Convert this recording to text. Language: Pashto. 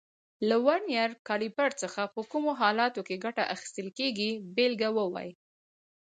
له ورنیز کالیپر څخه په کومو حالاتو کې ګټه اخیستل کېږي بېلګه ووایئ.